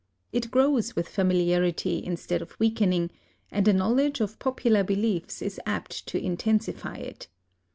It grows with familiarity instead of weaken ing; and a knowledge of popular beliefs is apt to intensify it.